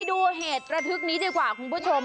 ดูเหตุระทึกนี้ดีกว่าคุณผู้ชม